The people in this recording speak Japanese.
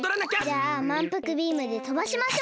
じゃあまんぷくビームでとばしましょう！